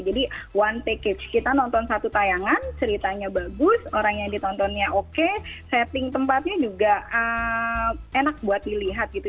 jadi one package kita nonton satu tayangan ceritanya bagus orang yang ditontonnya oke setting tempatnya juga enak buat dilihat gitu